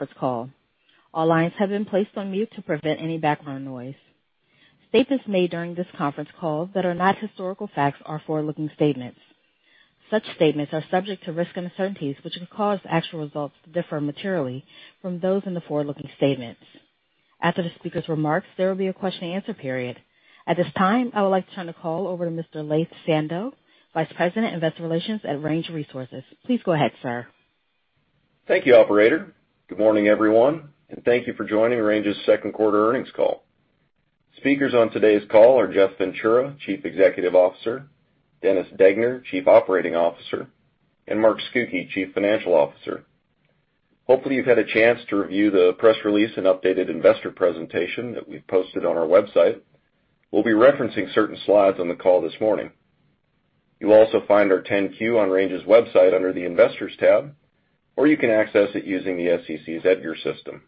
Conference call. All lines have been placed on mute to prevent any background noise. Statements made during this conference call that are not historical facts are forward-looking statements. Such statements are subject to risks and uncertainties, which could cause actual results to differ materially from those in the forward-looking statements. After the speaker's remarks, there will be a question and answer period. At this time, I would like to turn the call over to Mr. Laith Sando, Vice President of Investor Relations at Range Resources. Please go ahead, sir. Thank you, operator. Good morning, everyone, and thank you for joining Range Resources' Q2 earnings call. Speakers on today's call are Jeff Ventura, Chief Executive Officer, Dennis Degner, Chief Operating Officer, and Mark Scucchi, Chief Financial Officer. Hopefully, you've had a chance to review the press release and updated investor presentation that we've posted on our website. We'll be referencing certain slides on the call this morning. You'll also find our 10-Q on Range Resources' website under the Investors tab, or you can access it using the SEC's EDGAR system.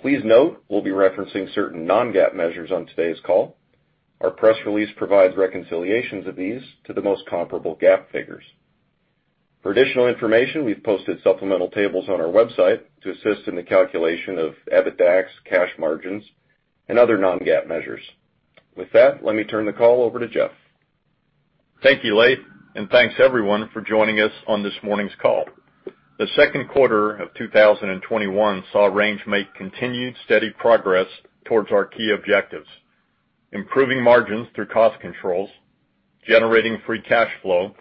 Please note, we'll be referencing certain non-GAAP measures on today's call. Our press release provides reconciliations of these to the most comparable GAAP figures. For additional information, we've posted supplemental tables on our website to assist in the calculation of EBITDAX, cash margins, and other non-GAAP measures. With that, let me turn the call over to Jeff. Thank you, Laith, and thanks, everyone, for joining us on this morning's call. Q2 of 2021 saw Range make continued steady progress towards our key objectives, improving margins through cost controls, generating free cash flow,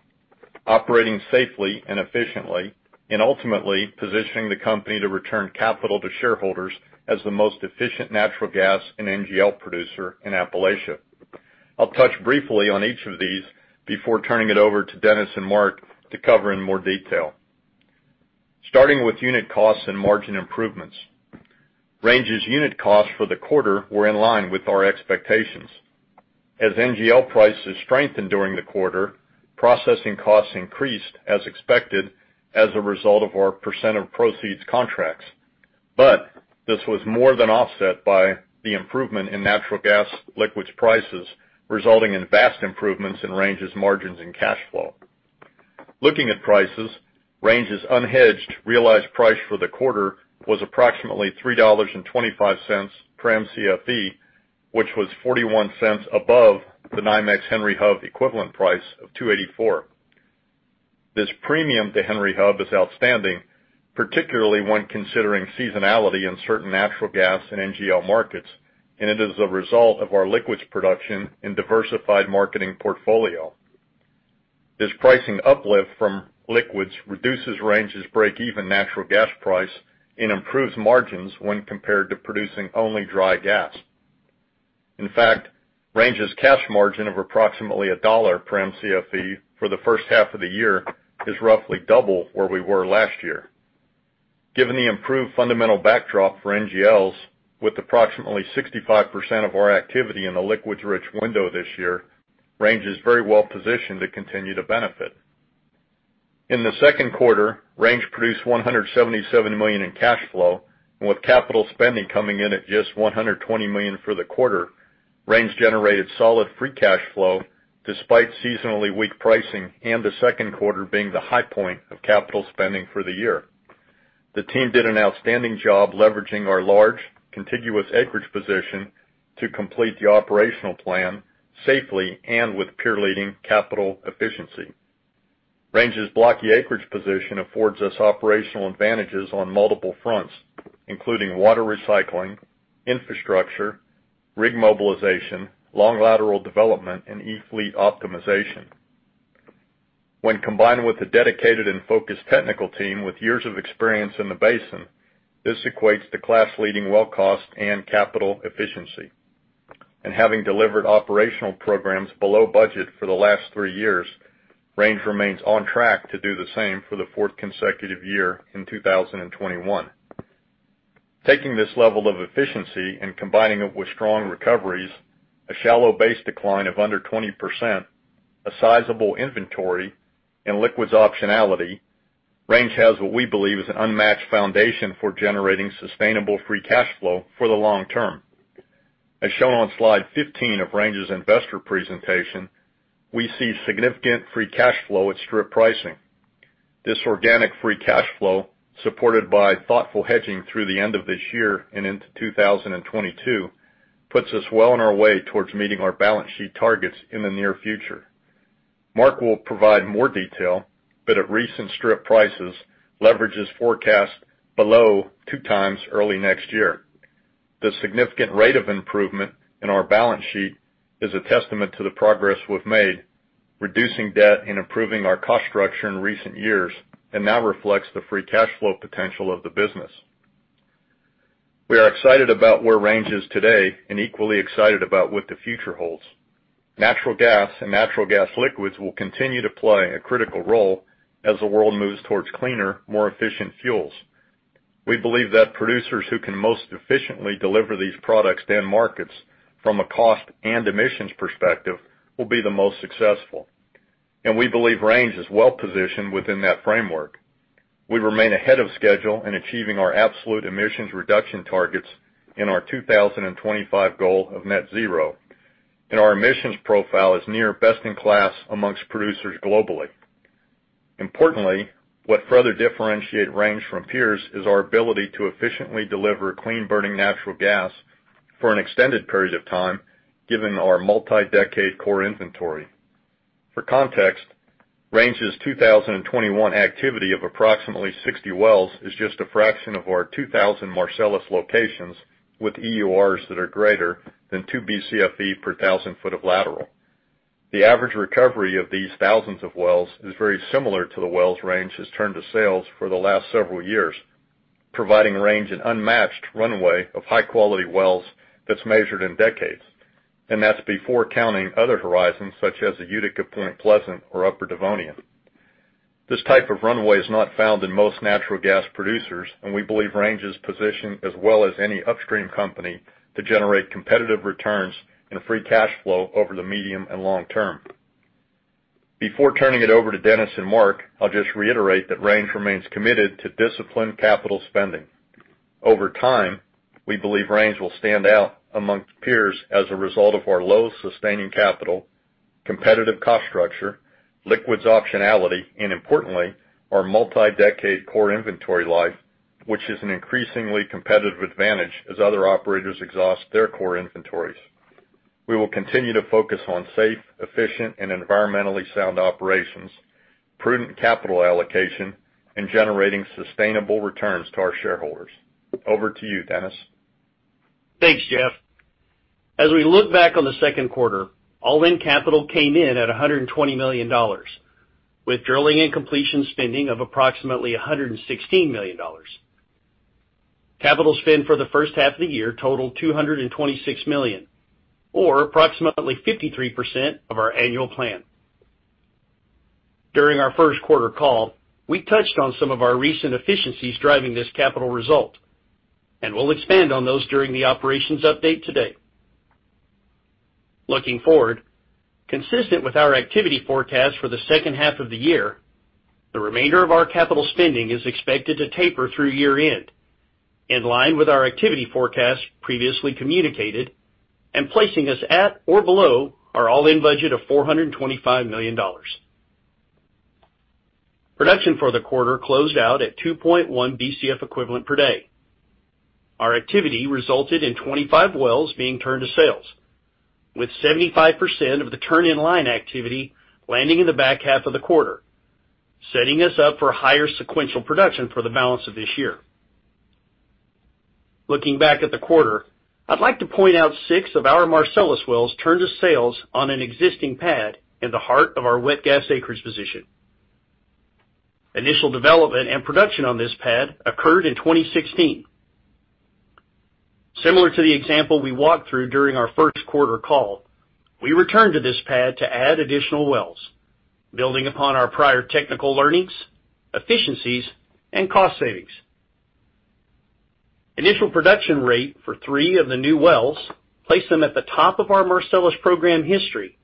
operating safely and efficiently, and ultimately positioning the company to return capital to shareholders as the most efficient natural gas and NGL producer in Appalachia. I'll touch briefly on each of these before turning it over to Dennis and Mark to cover in more detail. Starting with unit costs and margin improvements. Range's unit costs for the quarter were in line with our expectations. As NGL prices strengthened during the quarter, processing costs increased as expected as a result of our percent of proceeds contracts. This was more than offset by the improvement in natural gas liquids prices, resulting in vast improvements in Range's margins and cash flow. Looking at prices, Range's unhedged realized price for the quarter was approximately $3.25 per MCFE, which was $0.41 above the NYMEX Henry Hub equivalent price of $2.84. This premium to Henry Hub is outstanding, particularly when considering seasonality in certain natural gas and NGL markets, and it is a result of our liquids production and diversified marketing portfolio. This pricing uplift from liquids reduces Range's breakeven natural gas price and improves margins when compared to producing only dry gas. In fact, Range's cash margin of approximately $1 per MCFE for the first half of the year is roughly double where we were last year. Given the improved fundamental backdrop for NGLs with approximately 65% of our activity in the liquids-rich window this year, Range is very well positioned to continue to benefit. In Q2, Range produced $177 million in cash flow, with capital spending coming in at just $120 million for the quarter. Range generated solid free cash flow despite seasonally weak pricing and Q2 being the high point of capital spending for the year. The team did an outstanding job leveraging our large contiguous acreage position to complete the operational plan safely and with peer-leading capital efficiency. Range's blocky acreage position affords us operational advantages on multiple fronts, including water recycling, infrastructure, rig mobilization, long lateral development, and e-fleet optimization. When combined with a dedicated and focused technical team with years of experience in the basin, this equates to class-leading well cost and capital efficiency. Having delivered operational programs below budget for the last three years, Range remains on track to do the same for the fourth consecutive year in 2021. Taking this level of efficiency and combining it with strong recoveries, a shallow base decline of under 20%, a sizable inventory, and liquids optionality, Range has what we believe is an unmatched foundation for generating sustainable free cash flow for the long term. As shown on Slide 15 of Range's investor presentation, we see significant free cash flow at strip pricing. This organic free cash flow, supported by thoughtful hedging through the end of this year and into 2022, puts us well on our way towards meeting our balance sheet targets in the near future. Mark will provide more detail, but at recent strip prices, leverage is forecast below two times early next year. The significant rate of improvement in our balance sheet is a testament to the progress we've made, reducing debt and improving our cost structure in recent years and now reflects the free cash flow potential of the business. We are excited about where Range is today and equally excited about what the future holds. Natural gas and natural gas liquids will continue to play a critical role as the world moves towards cleaner, more efficient fuels. We believe that producers who can most efficiently deliver these products to end markets from a cost and emissions perspective will be the most successful. We believe Range is well-positioned within that framework. We remain ahead of schedule in achieving our absolute emissions reduction targets in our 2025 goal of net zero. Our emissions profile is near best-in-class amongst producers globally. Importantly, what further differentiate Range from peers is our ability to efficiently deliver clean burning natural gas for an extended period of time, given our multi-decade core inventory. For context, Range's 2021 activity of approximately 60 wells is just a fraction of our 2,000 Marcellus locations with EURs that are greater than 2 BCFE per 1,000 foot of lateral. The average recovery of these thousands of wells is very similar to the wells Range has turned to sales for the last several years, providing Range an unmatched runway of high-quality wells that's measured in decades, and that's before counting other horizons such as the Utica, Point Pleasant, or Upper Devonian. This type of runway is not found in most natural gas producers, and we believe Range is positioned as well as any upstream company to generate competitive returns and free cash flow over the medium and long term. Before turning it over to Dennis and Mark, I'll just reiterate that Range remains committed to disciplined capital spending. Over time, we believe Range will stand out amongst peers as a result of our low sustaining capital, competitive cost structure, liquids optionality, and importantly, our multi-decade core inventory life, which is an increasingly competitive advantage as other operators exhaust their core inventories. We will continue to focus on safe, efficient, and environmentally sound operations, prudent capital allocation, and generating sustainable returns to our shareholders. Over to you, Dennis. Thanks, Jeff. As we look back on Q2, all-in capital came in at $120 million, with drilling and completion spending of approximately $116 million. Capital spend for the first half of the year totaled $226 million, or approximately 53% of our annual plan. During our Q1 call, we touched on some of our recent efficiencies driving this capital result, and we'll expand on those during the operations update today. Looking forward, consistent with our activity forecast for the second half of the year, the remainder of our capital spending is expected to taper through year-end, in line with our activity forecast previously communicated and placing us at or below our all-in budget of $425 million. Production for the quarter closed out at 2.1 BCF equivalent per day. Our activity resulted in 25 wells being turned to sales, with 75% of the turn-in-line activity landing in the back half of the quarter, setting us up for higher sequential production for the balance of this year. Looking back at the quarter, I'd like to point out six of our Marcellus wells turned to sales on an existing pad in the heart of our wet gas acreage position. Initial development and production on this pad occurred in 2016. Similar to the example we walked through during our Q1 call, we returned to this pad to add additional wells, building upon our prior technical learnings, efficiencies, and cost savings. Initial production rate for 3 of the new wells placed them at the top of our Marcellus program history,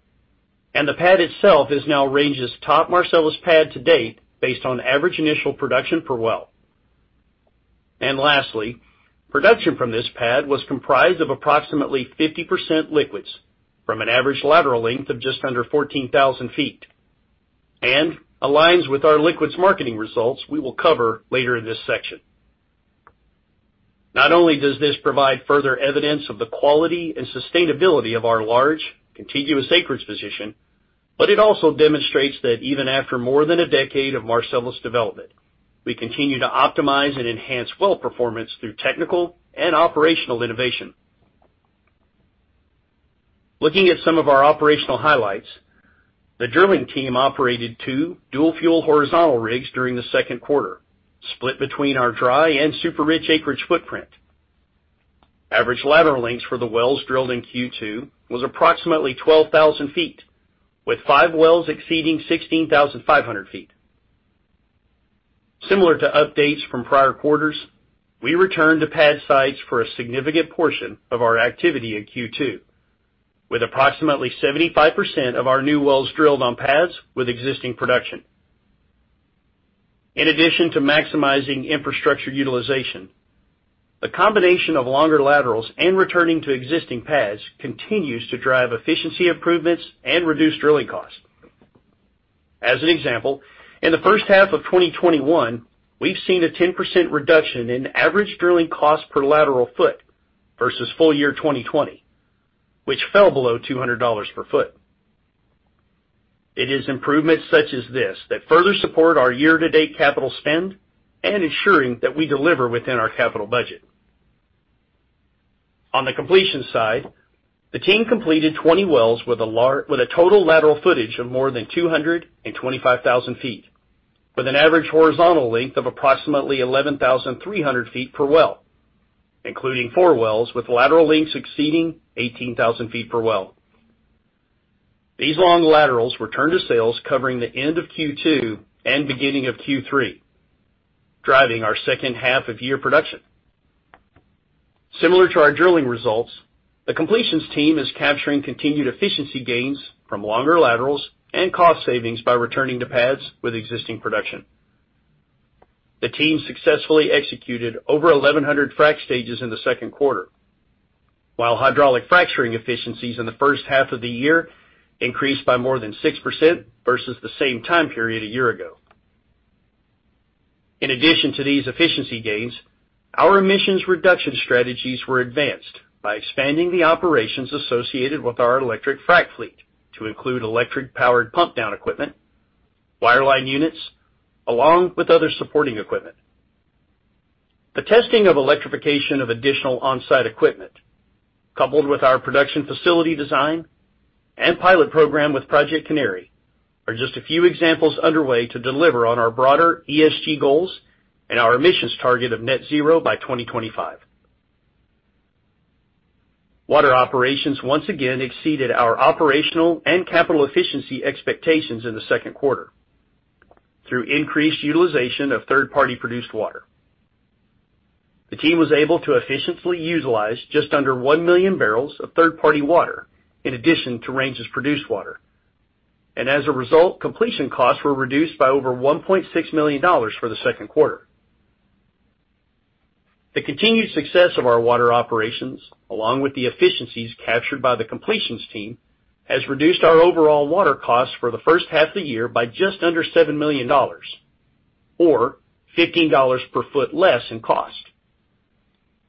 and the pad itself is now Range's top Marcellus pad to date based on average initial production per well. Lastly, production from this pad was comprised of approximately 50% liquids from an average lateral length of just under 14,000 feet and aligns with our liquids marketing results we will cover later in this section. Not only does this provide further evidence of the quality and sustainability of our large, contiguous acreage position, but it also demonstrates that even after more than a decade of Marcellus development, we continue to optimize and enhance well performance through technical and operational innovation. Looking at some of our operational highlights, the drilling team operated two dual-fuel horizontal rigs during Q2, split between our dry and super rich acreage footprint. Average lateral lengths for the wells drilled in Q2 was approximately 12,000 feet, with five wells exceeding 16,500 feet. Similar to updates from prior quarters, we returned to pad sites for a significant portion of our activity in Q2, with approximately 75% of our new wells drilled on pads with existing production. In addition to maximizing infrastructure utilization, the combination of longer laterals and returning to existing pads continues to drive efficiency improvements and reduce drilling costs. As an example, in the first half of 2021, we've seen a 10% reduction in average drilling cost per lateral foot versus full year 2020, which fell below $200 per foot. It is improvements such as this that further support our year-to-date capital spend and ensuring that we deliver within our capital budget. On the completion side, the team completed 20 wells with a total lateral footage of more than 225,000 feet, with an average horizontal length of approximately 11,300 feet per well, including four wells with lateral lengths exceeding 18,000 feet per well. These long laterals were turned to sales covering the end of Q2 and beginning of Q3, driving our second half of year production. Similar to our drilling results, the completions team is capturing continued efficiency gains from longer laterals and cost savings by returning to pads with existing production. The team successfully executed over 1,100 frac stages in Q2, while hydraulic fracturing efficiencies in the first half of the year increased by more than 6% versus the same time period a year ago. In addition to these efficiency gains, our emissions reduction strategies were advanced by expanding the operations associated with our electric frac fleet to include electric-powered pump down equipment, wireline units, along with other supporting equipment. The testing of electrification of additional on-site equipment, coupled with our production facility design and pilot program with Project Canary, are just a few examples underway to deliver on our broader ESG goals and our emissions target of net zero by 2025. Water operations once again exceeded our operational and capital efficiency expectations in Q2 through increased utilization of third-party produced water. The team was able to efficiently utilize just under 1 million barrels of third-party water in addition to Range's produced water. As a result, completion costs were reduced by over $1.6 million for Q2. The continued success of our water operations, along with the efficiencies captured by the completions team, has reduced our overall water costs for the first half of the year by just under $7 million, or $15 per foot less in cost.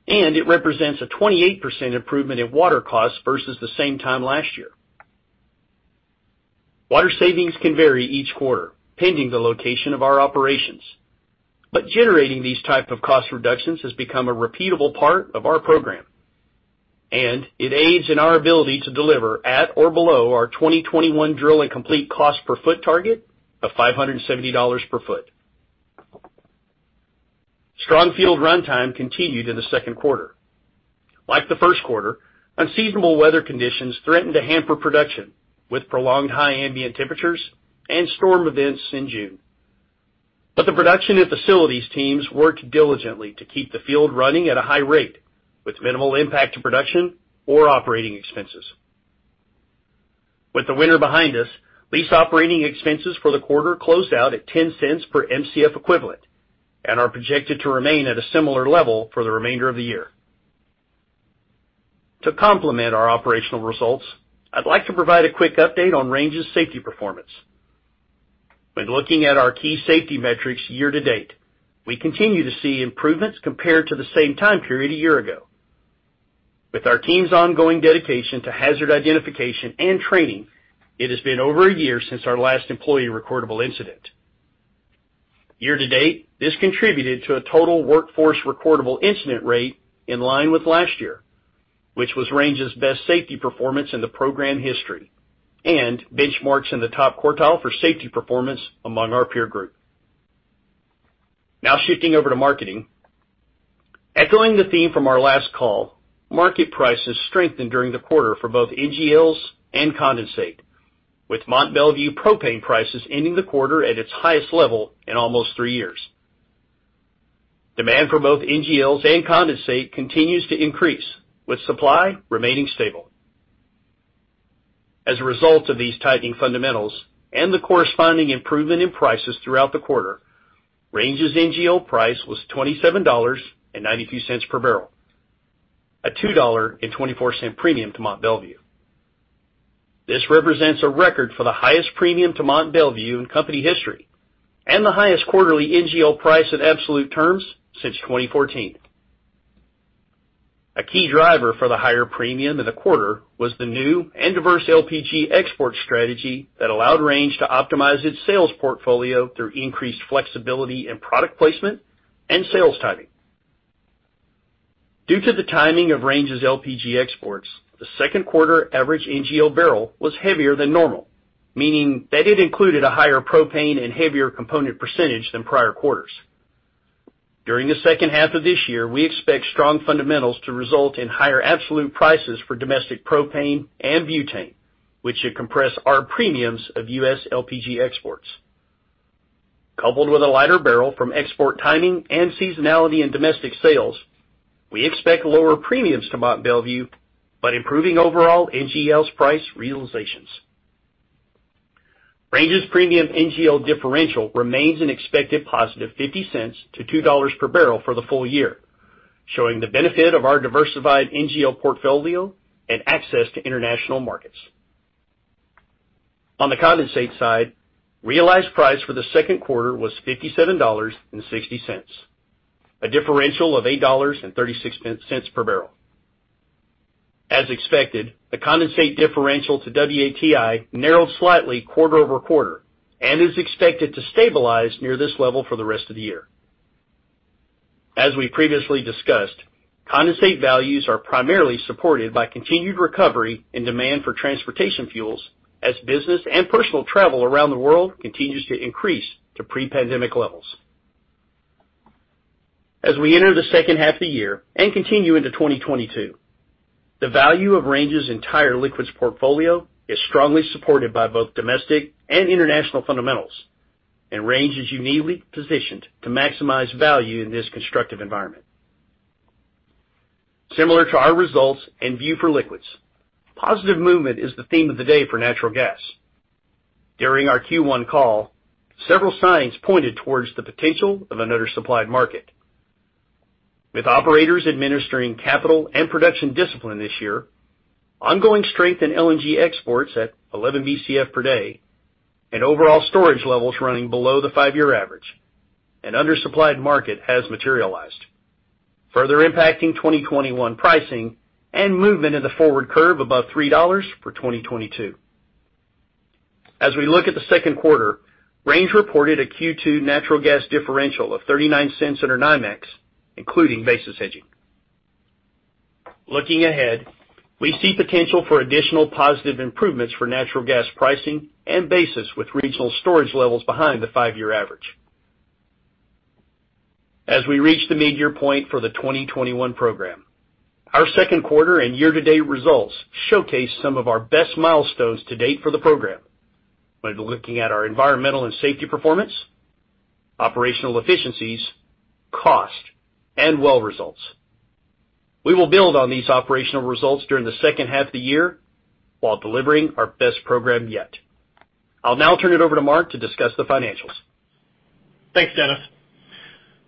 It represents a 28% improvement in water costs versus the same time last year. Water savings can vary each quarter, pending the location of our operations, but generating these type of cost reductions has become a repeatable part of our program, and it aids in our ability to deliver at or below our 2021 drill and complete cost per foot target of $570 per foot. Strong field runtime continued in Q2. Like Q1, unseasonable weather conditions threatened to hamper production with prolonged high ambient temperatures and storm events in June. The production and facilities teams worked diligently to keep the field running at a high rate with minimal impact to production or operating expenses. With the winter behind us, lease operating expenses for the quarter closed out at $0.10 per MCF equivalent and are projected to remain at a similar level for the remainder of the year. To complement our operational results, I'd like to provide a quick update on Range's safety performance. When looking at our key safety metrics year to date, we continue to see improvements compared to the same time period a year ago. With our team's ongoing dedication to hazard identification and training, it has been over a year since our last employee recordable incident. Year-to-date, this contributed to a total workforce recordable incident rate in line with last year, which was Range's best safety performance in the program history and benchmarks in the top quartile for safety performance among our peer group. Now shifting over to marketing. Echoing the theme from our last call, market prices strengthened during the quarter for both NGLs and condensate, with Mont Belvieu propane prices ending the quarter at its highest level in almost three years. Demand for both NGLs and condensate continues to increase, with supply remaining stable. As a result of these tightening fundamentals and the corresponding improvement in prices throughout the quarter, Range's NGL price was $27.92 per barrel, a $2.24 premium to Mont Belvieu. This represents a record for the highest premium to Mont Belvieu in company history and the highest quarterly NGL price in absolute terms since 2014. A key driver for the higher premium in the quarter was the new and diverse LPG export strategy that allowed Range to optimize its sales portfolio through increased flexibility in product placement and sales timing. Due to the timing of Range's LPG exports, Q2 average NGL barrel was heavier than normal, meaning that it included a higher propane and heavier component percentage than prior quarters. During the second half of this year, we expect strong fundamentals to result in higher absolute prices for domestic propane and butane, which should compress our premiums of US LPG exports. Coupled with a lighter barrel from export timing and seasonality in domestic sales, we expect lower premiums to Mont Belvieu, but improving overall NGLs price realizations. Range's premium NGL differential remains an expected positive $0.50-$2 per barrel for the full year, showing the benefit of our diversified NGL portfolio and access to international markets. On the condensate side, realized price for Q2 was $57.60, a differential of $8.36 per barrel. As expected, the condensate differential to WTI narrowed slightly quarter-over-quarter and is expected to stabilize near this level for the rest of the year. As we previously discussed, condensate values are primarily supported by continued recovery and demand for transportation fuels as business and personal travel around the world continues to increase to pre-pandemic levels. As we enter the second half of the year and continue into 2022, the value of Range's entire liquids portfolio is strongly supported by both domestic and international fundamentals. Range is uniquely positioned to maximize value in this constructive environment. Similar to our results and view for liquids, positive movement is the theme of the day for natural gas. During our Q1 call, several signs pointed towards the potential of another supplied market. With operators administering capital and production discipline this year, ongoing strength in LNG exports at 11 BCF per day, and overall storage levels running below the five-year average, an undersupplied market has materialized, further impacting 2021 pricing and movement in the forward curve above $3 for 2022. As we look at Q2, Range reported a Q2 natural gas differential of $0.39 under NYMEX, including basis hedging. Looking ahead, we see potential for additional positive improvements for natural gas pricing and basis with regional storage levels behind the five-year average. As we reach the mid-year point for the 2021 program, our Q2 and year-to-date results showcase some of our best milestones to date for the program when looking at our environmental and safety performance, operational efficiencies, cost, and well results. We will build on these operational results during the second half of the year while delivering our best program yet. I'll now turn it over to Mark to discuss the financials. Thanks, Dennis.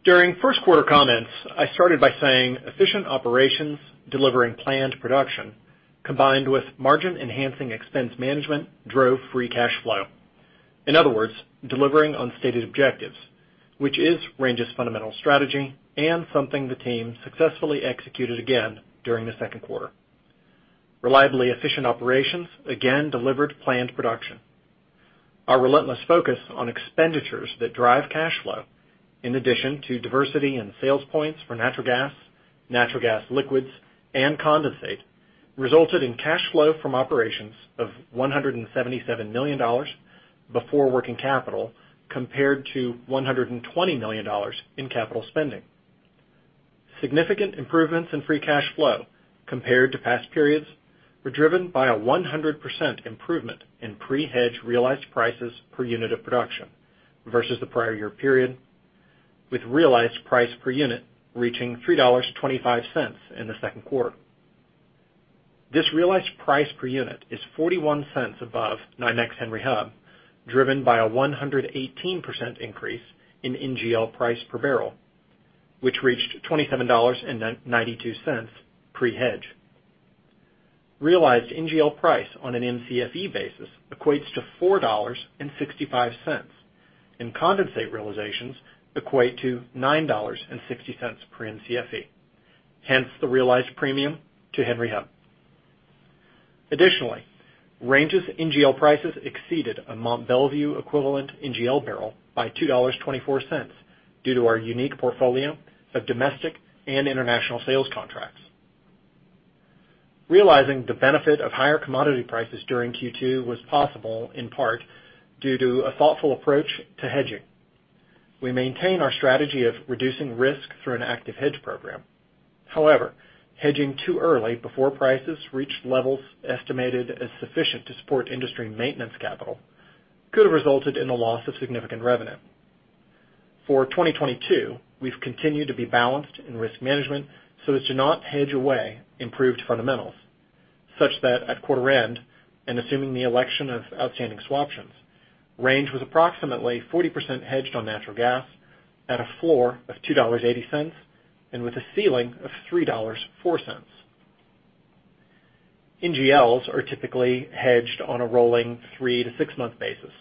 During Q1 comments, I started by saying efficient operations delivering planned production, combined with margin-enhancing expense management, drove free cash flow. In other words, delivering on stated objectives, which is Range's fundamental strategy and something the team successfully executed again during Q2. Reliably efficient operations again delivered planned production. Our relentless focus on expenditures that drive cash flow, in addition to diversity and sales points for natural gas, natural gas liquids, and condensate, resulted in cash flow from operations of $177 million before working capital, compared to $120 million in capital spending. Significant improvements in free cash flow compared to past periods were driven by a 100% improvement in pre-hedge realized prices per unit of production versus the prior year period, with realized price per unit reaching $3.25 in Q2. This realized price per unit is $0.41 above NYMEX Henry Hub, driven by a 118% increase in NGL price per barrel, which reached $27.92 pre-hedge. Realized NGL price on an MCFE basis equates to $4.65, and condensate realizations equate to $9.60 per MCFE, hence the realized premium to Henry Hub. Additionally, Range's NGL prices exceeded a Mont Belvieu equivalent NGL barrel by $2.24 due to our unique portfolio of domestic and international sales contracts. Realizing the benefit of higher commodity prices during Q2 was possible in part due to a thoughtful approach to hedging. We maintain our strategy of reducing risk through an active hedge program. Hedging too early before prices reached levels estimated as sufficient to support industry maintenance capital could have resulted in the loss of significant revenue. For 2022, we've continued to be balanced in risk management so as to not hedge away improved fundamentals, such that at quarter end, and assuming the election of outstanding swaptions, Range was approximately 40% hedged on natural gas at a floor of $2.80 and with a ceiling of $3.04. NGLs are typically hedged on a rolling 3- to 6-month basis,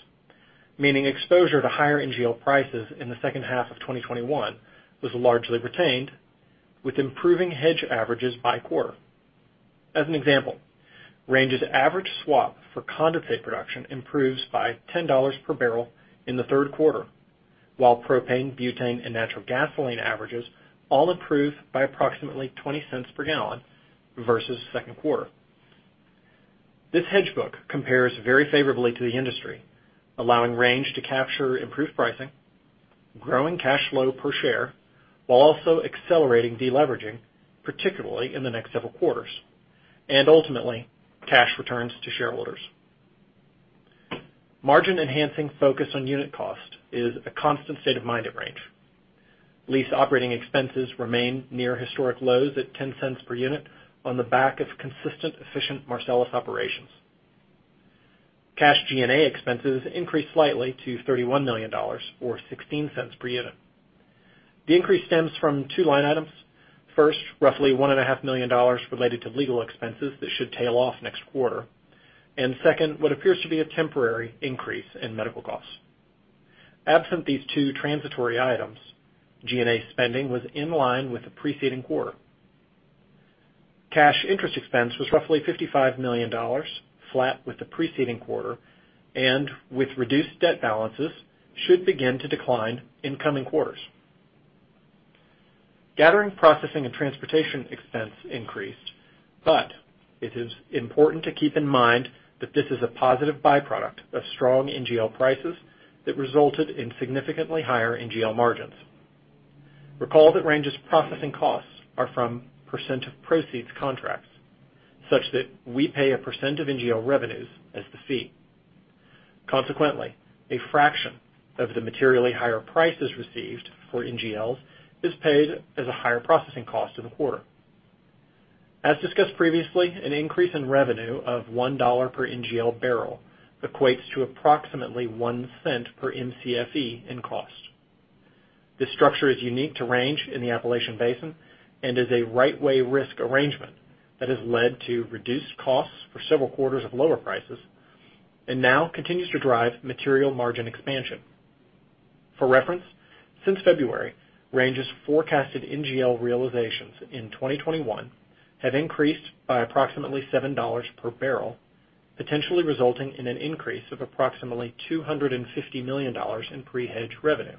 meaning exposure to higher NGL prices in the second half of 2021 was largely retained, with improving hedge averages by quarter. As an example, Range's average swap for condensate production improves by $10 per barrel in Q3, while propane, butane, and natural gasoline averages all improve by approximately $0.20 per gallon versus Q2. This hedge book compares very favorably to the industry, allowing Range to capture improved pricing, growing cash flow per share, while also accelerating de-leveraging, particularly in the next several quarters, and ultimately, cash returns to shareholders. Margin-enhancing focus on unit cost is a constant state of mind at Range. Lease operating expenses remain near historic lows at $0.10 per unit on the back of consistent, efficient Marcellus operations. Cash G&A expenses increased slightly to $31 million, or $0.16 per unit. The increase stems from two line items. First, roughly $1.5 million related to legal expenses that should tail off next quarter. Second, what appears to be a temporary increase in medical costs. Absent these two transitory items, G&A spending was in line with the preceding quarter. Cash interest expense was roughly $55 million, flat with the preceding quarter, and with reduced debt balances, should begin to decline in coming quarters. Gathering, processing, and transportation expense increased, but it is important to keep in mind that this is a positive byproduct of strong NGL prices that resulted in significantly higher NGL margins. Recall that Range's processing costs are from percent of proceeds contracts, such that we pay a percent of NGL revenues as the fee. Consequently, a fraction of the materially higher prices received for NGLs is paid as a higher processing cost in the quarter. As discussed previously, an increase in revenue of $1 per NGL barrel equates to approximately $0.01 per MCFE in cost. This structure is unique to Range in the Appalachian Basin and is a right way risk arrangement that has led to reduced costs for several quarters of lower prices and now continues to drive material margin expansion. For reference, since February, Range's forecasted NGL realizations in 2021 have increased by approximately $7 per barrel, potentially resulting in an increase of approximately $250 million in pre-hedge revenue.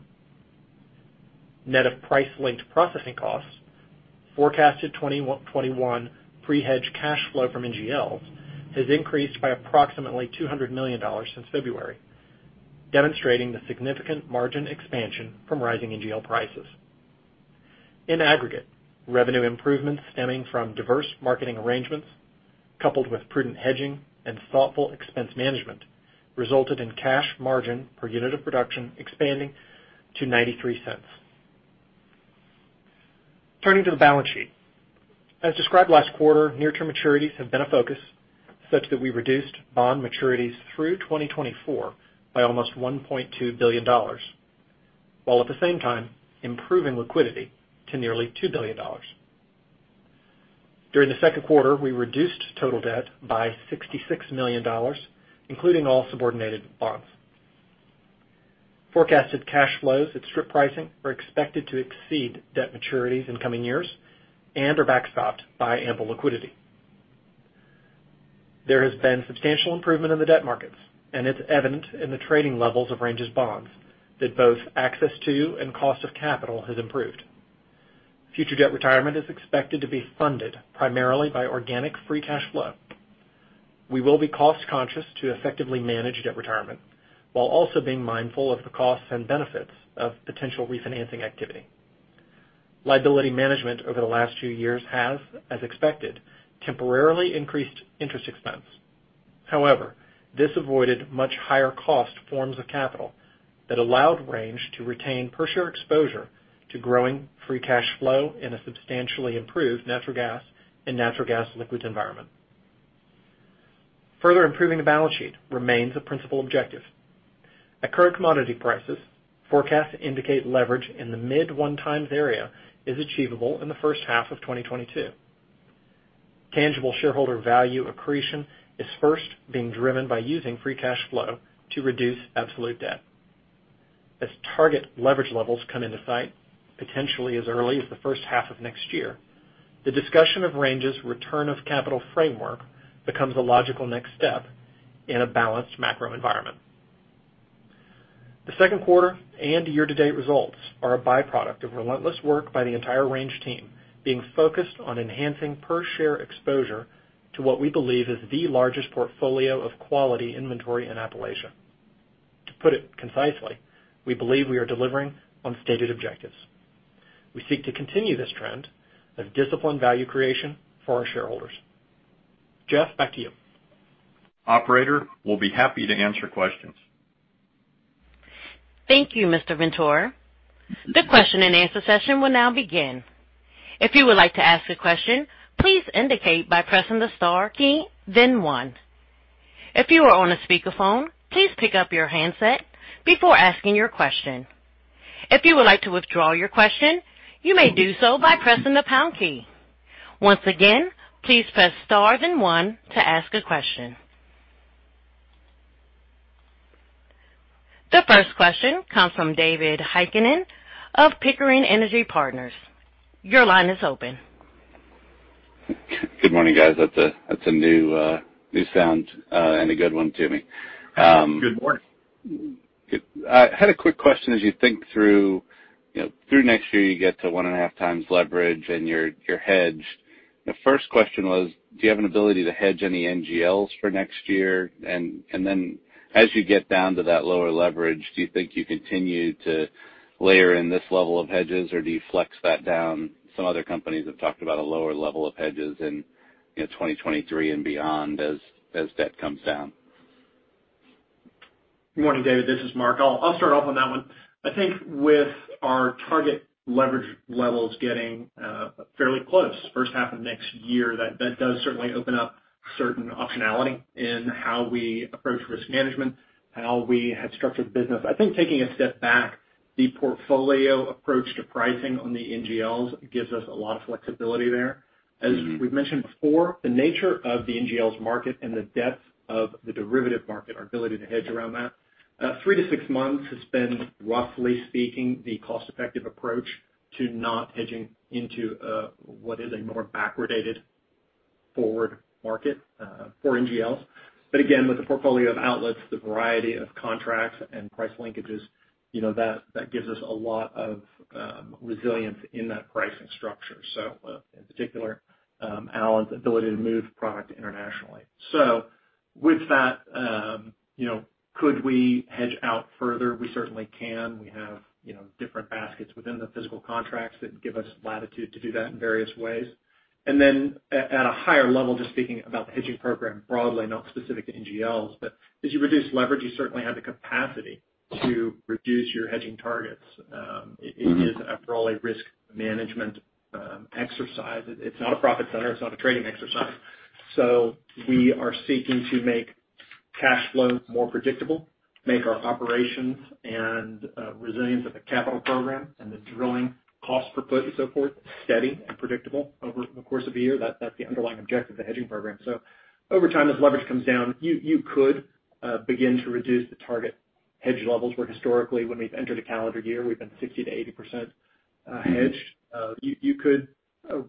Net of price-linked processing costs, forecasted 2021 pre-hedge cash flow from NGLs has increased by approximately $200 million since February, demonstrating the significant margin expansion from rising NGL prices. In aggregate, revenue improvements stemming from diverse marketing arrangements coupled with prudent hedging and thoughtful expense management resulted in cash margin per unit of production expanding to $0.93. Turning to the balance sheet. As described last quarter, near-term maturities have been a focus such that we reduced bond maturities through 2024 by almost $1.2 billion, while at the same time improving liquidity to nearly $2 billion. During Q2, we reduced total debt by $66 million, including all subordinated bonds. Forecasted cash flows at strip pricing are expected to exceed debt maturities in coming years and are backstopped by ample liquidity. There has been substantial improvement in the debt markets, and it's evident in the trading levels of Range's bonds that both access to and cost of capital has improved. Future debt retirement is expected to be funded primarily by organic free cash flow. We will be cost-conscious to effectively manage debt retirement while also being mindful of the costs and benefits of potential refinancing activity. Liability management over the last few years has, as expected, temporarily increased interest expense. However, this avoided much higher cost forms of capital that allowed Range to retain per share exposure to growing free cash flow in a substantially improved natural gas and natural gas liquids environment. Further improving the balance sheet remains a principal objective. At current commodity prices, forecasts indicate leverage in the mid one times area is achievable in the first half of 2022. Tangible shareholder value accretion is first being driven by using free cash flow to reduce absolute debt. As target leverage levels come into sight, potentially as early as the first half of next year, the discussion of Range's return of capital framework becomes a logical next step in a balanced macro environment. Q2 and year-to-date results are a byproduct of relentless work by the entire Range team being focused on enhancing per share exposure to what we believe is the largest portfolio of quality inventory in Appalachia. To put it concisely, we believe we are delivering on stated objectives. We seek to continue this trend of disciplined value creation for our shareholders. Jeff, back to you. Operator, we'll be happy to answer questions. Thank you, Mr. Ventura. The question-and-answer session will now begin. If you would like to ask a question, please indicate by pressing the star key, then one. If you are on a speakerphone, please pick up your handset before asking your question. If you would like to withdraw your question, you may do so by pressing the pound key. Once again, please press star then one to ask a question. The first question comes from David Heikkinen of Pickering Energy Partners. Your line is open. Good morning, guys. That's a new sound, and a good one to me. Good morning. I had a quick question. As you think through next year, you get to 1.5x leverage and you're hedged. The first question was, do you have an ability to hedge any NGLs for next year? As you get down to that lower leverage, do you think you continue to layer in this level of hedges, or do you flex that down? Some other companies have talked about a lower level of hedges in 2023 and beyond as debt comes down. Good morning, David. This is Mark. I'll start off on that one. I think with our target leverage levels getting fairly close first half of next year, that does certainly open up certain optionality in how we approach risk management, how we have structured the business. I think taking a step back, the portfolio approach to pricing on the NGLs gives us a lot of flexibility there. As we've mentioned before, the nature of the NGLs market and the depth of the derivative market, our ability to hedge around that, three to six months has been, roughly speaking, the cost-effective approach to not hedging into what is a more backwardated forward market for NGLs. Again, with the portfolio of outlets, the variety of contracts and price linkages, that gives us a lot of resilience in that pricing structure. In particular, Alan's ability to move product internationally. With that, could we hedge out further? We certainly can. We have different baskets within the physical contracts that give us latitude to do that in various ways. At a higher level, just speaking about the hedging program broadly, not specific to NGLs, but as you reduce leverage, you certainly have the capacity to reduce your hedging targets. It is, after all, a risk management exercise. It's not a profit center. It's not a trading exercise. We are seeking to make cash flow more predictable, make our operations and resilience of the capital program and the drilling cost per foot and so forth, steady and predictable over the course of a year. That's the underlying objective of the hedging program. Over time, as leverage comes down, you could begin to reduce the target hedge levels, where historically, when we've entered a calendar year, we've been 60%-80% hedged. You could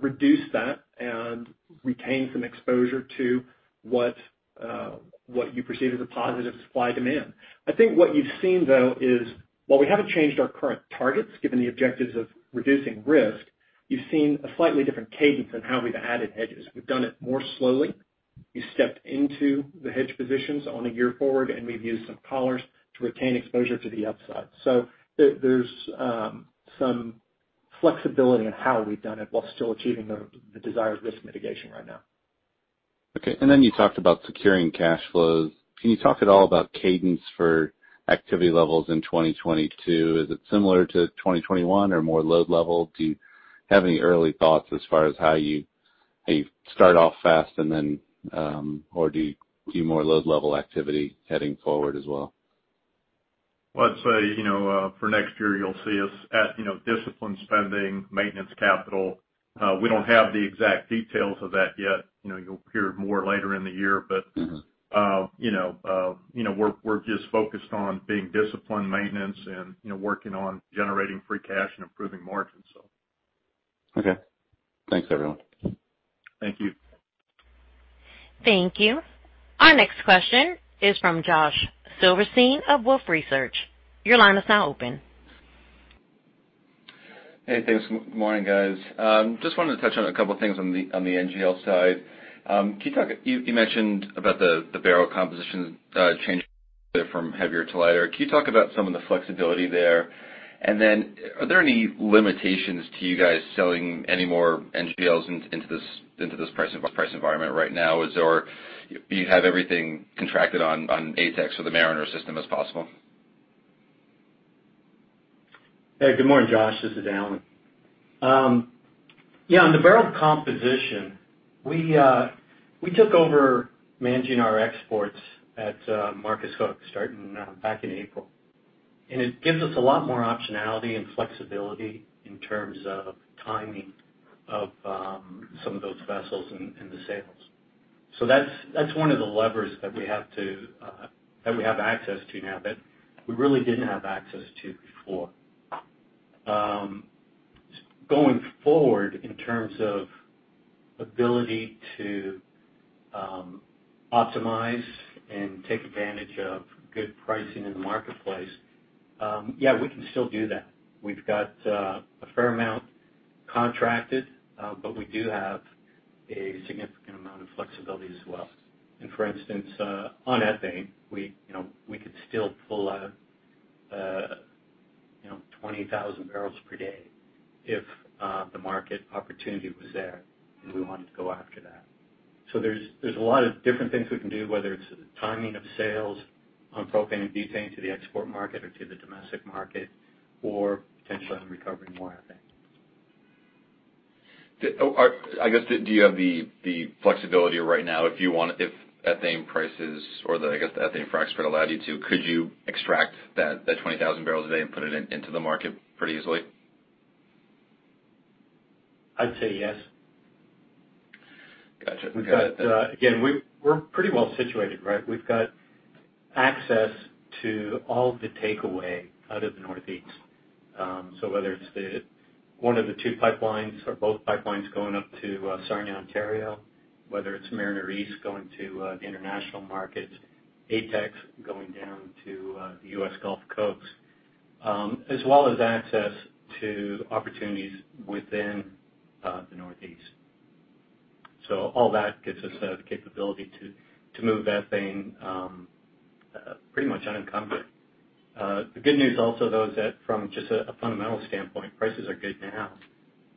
reduce that and retain some exposure to what you perceive as a positive supply-demand. I think what you've seen, though, is while we haven't changed our current targets, given the objectives of reducing risk, you've seen a slightly different cadence in how we've added hedges. We've done it more slowly. We've stepped into the hedge positions on a year forward, and we've used some collars to retain exposure to the upside. There's some flexibility in how we've done it while still achieving the desired risk mitigation right now. Okay, then you talked about securing cash flows. Can you talk at all about cadence for activity levels in 2022? Is it similar to 2021 or more load level? Do you have any early thoughts as far as how you start off fast, or do you do more load level activity heading forward as well? Well, I'd say, for next year, you'll see us at disciplined spending, maintenance capital. We don't have the exact details of that yet. You'll hear more later in the year. We're just focused on being disciplined, maintenance, and working on generating free cash and improving margins. Okay. Thanks, everyone. Thank you. Thank you. Our next question is from Josh Silverstein of Wolfe Research. Your line is now open. Hey, thanks. Good morning, guys. Just wanted to touch on a couple things on the NGL side. You mentioned about the barrel composition changing from heavier to lighter. Can you talk about some of the flexibility there? Are there any limitations to you guys selling any more NGLs into this price environment right now? Do you have everything contracted on ATEX or the Mariner system as possible? Hey, good morning, Josh. This is Alan. On the barrel composition, we took over managing our exports at Marcus Hook starting back in April. It gives us a lot more optionality and flexibility in terms of timing of some of those vessels and the sales. That's one of the levers that we have access to now that we really didn't have access to before. Going forward, in terms of ability to optimize and take advantage of good pricing in the marketplace, Yes, we can still do that. We've got a fair amount contracted, but we do have a significant amount of flexibility as well. For instance, on ethane, we could still pull out 20,000 barrels per day if the market opportunity was there and we wanted to go after that. There's a lot of different things we can do, whether it's timing of sales on propane and butane to the export market or to the domestic market, or potentially on recovering more ethane. I guess, do you have the flexibility right now if ethane prices or, I guess, the ethane frac spread allowed you to, could you extract that 20,000 barrels a day and put it into the market pretty easily? I'd say yes. Got you. Okay. We're pretty well-situated, right? We've got access to all the takeaway out of the Northeast. Whether it's one of the two pipelines or both pipelines going up to Sarnia, Ontario, whether it's Mariner East going to the international markets, ATEX going down to the U.S. Gulf Coast, as well as access to opportunities within the Northeast. All that gives us the capability to move ethane pretty much unencumbered. The good news also, though, is that from just a fundamental standpoint, prices are good now,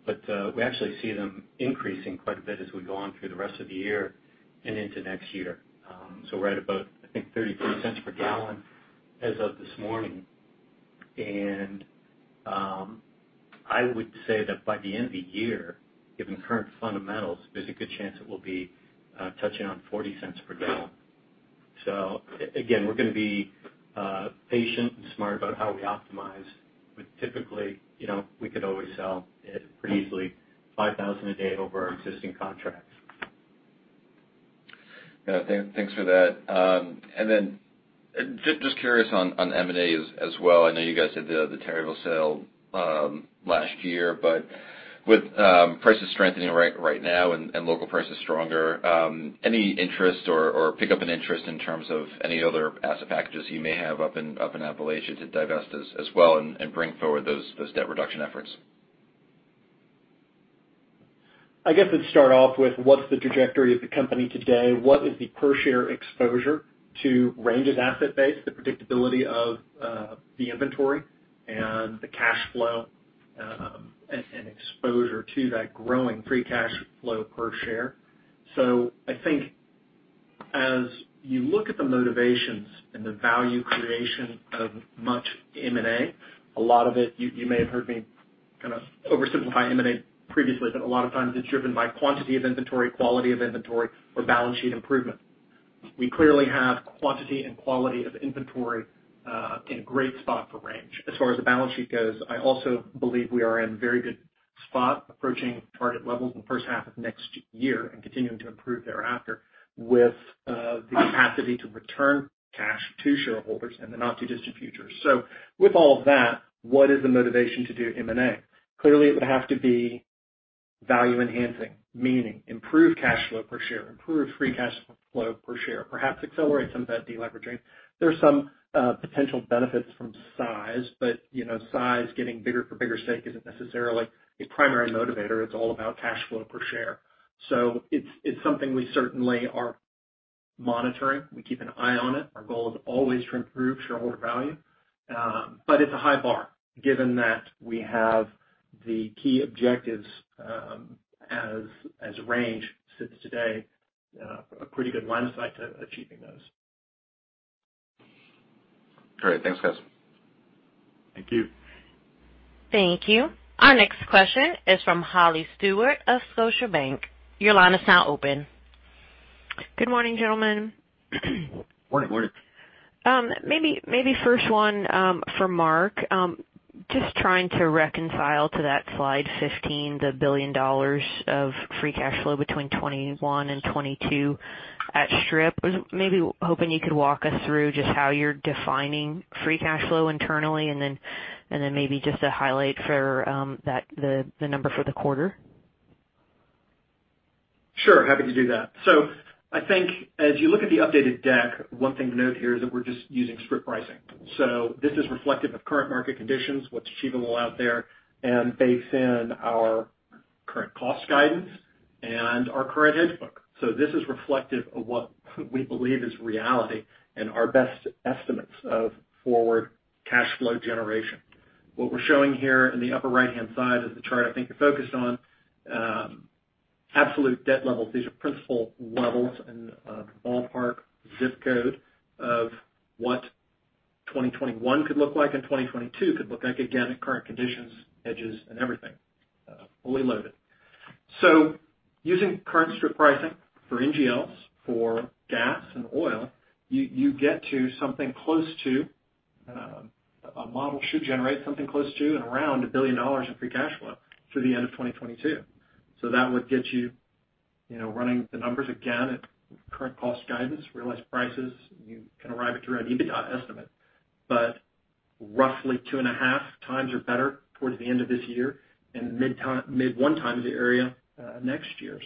but we actually see them increasing quite a bit as we go on through the rest of the year and into next year. We're at about, I think, $0.33 per gallon as of this morning. I would say that by the end of the year, given current fundamentals, there's a good chance it will be touching on $0.40 per gallon. Again, we're going to be patient and smart about how we optimize, but typically, we could always sell it pretty easily 5,000 a day over our existing contracts. Yes. Thanks for that. Just curious on M&A as well. I know you guys did the Terryville sale last year, but with prices strengthening right now and local prices stronger, any interest or pickup in interest in terms of any other asset packages you may have up in Appalachia to divest as well and bring forward those debt reduction efforts? I guess let's start off with what's the trajectory of the company today? What is the per share exposure to Range's asset base, the predictability of the inventory, and the cash flow, and exposure to that growing free cash flow per share. I think as you look at the motivations and the value creation of much M&A, a lot of it, you may have heard me kind of oversimplify M&A previously, but a lot of times it's driven by quantity of inventory, quality of inventory, or balance sheet improvement. We clearly have quantity and quality of inventory, in a great spot for Range. As far as the balance sheet goes, I also believe we are in very good spot approaching target levels in the first half of next year and continuing to improve thereafter with the capacity to return cash to shareholders in the not-too-distant future. With all of that, what is the motivation to do M&A? Clearly, it would have to be value enhancing, meaning improved cash flow per share, improved free cash flow per share, perhaps accelerate some of that deleveraging. There's some potential benefits from size, getting bigger for bigger sake isn't necessarily a primary motivator. It's all about cash flow per share. It's something we certainly are monitoring. We keep an eye on it. Our goal is always to improve shareholder value. It's a high bar given that we have the key objectives, as Range sits today, a pretty good line of sight to achieving those. Great. Thanks, guys. Thank you. Thank you. Our next question is from Holly Stewart of Scotiabank. Your line is now open. Good morning, gentlemen. Morning. Morning. Maybe first one for Mark, just trying to reconcile to that Slide 15, the $1 billion of free cash flow between 2021 and 2022 at strip. I was maybe hoping you could walk us through just how you're defining free cash flow internally and then maybe just a highlight for the number for the quarter? Sure. Happy to do that. I think as you look at the updated deck, one thing to note here is that we're just using strip pricing. This is reflective of current market conditions, what's achievable out there, and based in our current cost guidance and our current hedge book. This is reflective of what we believe is reality and our best estimates of forward cash flow generation. What we're showing here in the upper right-hand side is the chart I think you're focused on absolute debt levels. These are principal levels and a ballpark ZIP Code of what 2021 could look like and 2022 could look like. Again, at current conditions, hedges, and everything, fully loaded. Using current strip pricing for NGLs, for gas and oil, a model should generate something close to and around $1 billion in free cash flow through the end of 2022. That would get you running the numbers again at current cost guidance, realized prices, you can arrive at your own EBITDA estimate. Roughly 2.5 times or better towards the end of this year and mid 1 time in the area, next year.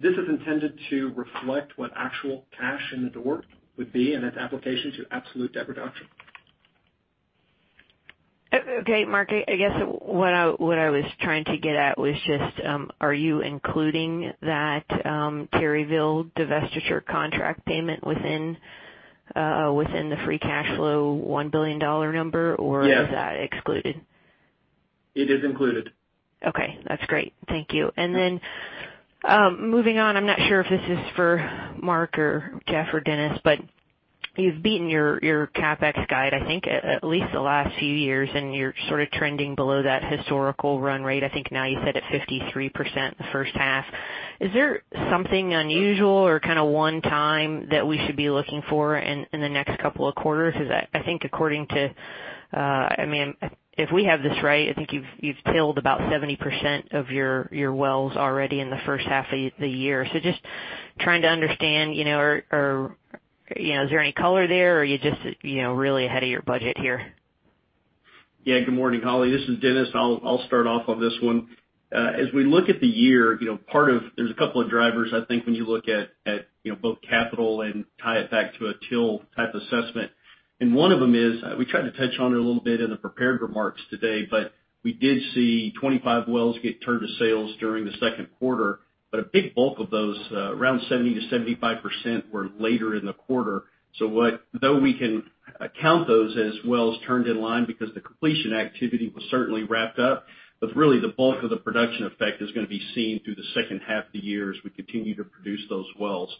This is intended to reflect what actual cash in the door would be and its application to absolute debt reduction. Okay. Mark, I guess what I was trying to get at was just, are you including that Terryville divestiture contract payment within the free cash flow $1 billion number or is that excluded? It is included. Okay, that's great. Thank you. I'm not sure if this is for Mark or Jeff or Dennis, but you've beaten your CapEx guide, I think, at least the last few years, and you're sort of trending below that historical run rate. I think now you said at 53% the first half. Is there something unusual or kind of one time that we should be looking for in the next couple of quarters? If we have this right, I think you've TIL'd about 70% of your wells already in the first half of the year. Just trying to understand, is there any color there or are you just really ahead of your budget here? Yes. Good morning, Holly. This is Dennis. I'll start off on this one. As we look at the year, there's a couple of drivers I think when you look at both capital and tie it back to a TIL type assessment. One of them is, we tried to touch on it a little bit in the prepared remarks today, we did see 25 wells get turned to sales during Q2, a big bulk of those, around 70%-75% were later in the quarter. Though we can count those as wells turned in line because the completion activity was certainly wrapped up, really the bulk of the production effect is going to be seen through the second half of the year as we continue to produce those wells.